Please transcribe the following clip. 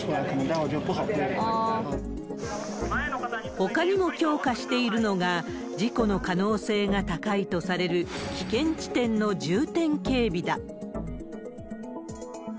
ほかにも強化しているのが、事故の可能性が高いとされる危険地点の重点警備だ。